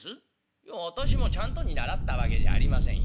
「いや私もちゃんとに習ったわけじゃありませんよ。